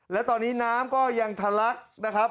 และตอนนี้น้ำก็ยังทะลักนะครับ